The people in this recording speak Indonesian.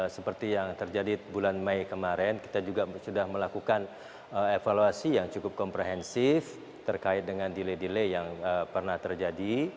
seperti yang terjadi bulan mei kemarin kita juga sudah melakukan evaluasi yang cukup komprehensif terkait dengan delay delay yang pernah terjadi